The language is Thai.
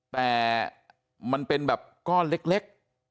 แต่มันเป็นแบบก้อนเล็ก